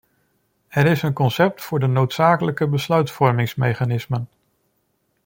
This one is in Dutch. Er is een concept voor de noodzakelijke besluitvormingsmechanismen.